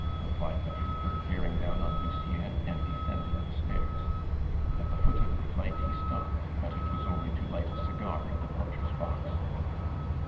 replied the trooper, bearing down on Lucien, and descending the stairs. At the foot of the flight he stopped, but it was only to light a cigar at the porter's box.